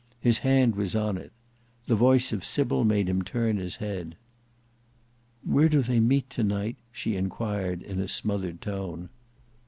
His hand was on it. The voice of Sybil made him turn his head. "Where do they meet to night?" she inquired, in a smothered tone.